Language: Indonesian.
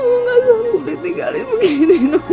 mama gak sanggup ditinggalin begini nuh mama gak sanggup nuh